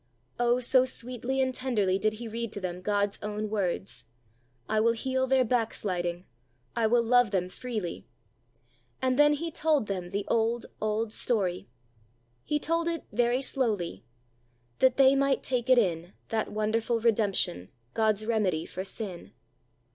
Oh, so sweetly and tenderly did he read to them God's own words: "I will heal their back sliding, I will love them freely;" and then he told them the "Old, Old Story." He told it very slowly: "'That they might take it in, That wonderful redemption, God's remedy for sin.'